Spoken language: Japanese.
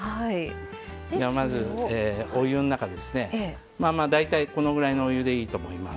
まずお湯の中ですね大体このぐらいのお湯でいいと思います。